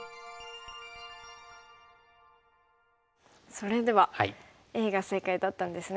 それではＡが正解だったんですね。